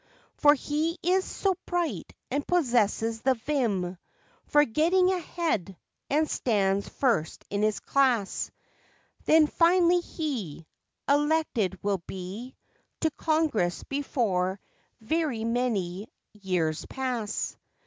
For he is so bright and possesses the vim For getting ahead, and stands first in his class, Then finally he Elected will be To Congress before very many j ears pass.